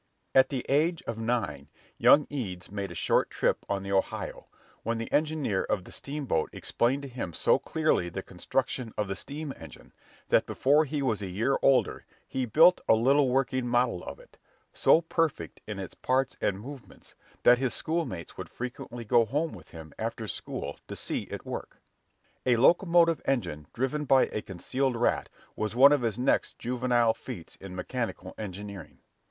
At the age of nine, young Eads made a short trip on the Ohio, when the engineer of the steamboat explained to him so clearly the construction of the steam engine, that, before he was a year older, he built a little working model of it, so perfect in its parts and movements, that his schoolmates would frequently go home with him after school to see it work. A locomotive engine driven by a concealed rat was one of his next juvenile feats in mechanical engineering.